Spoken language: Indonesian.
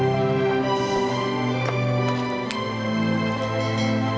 udah biar kopi aku selesai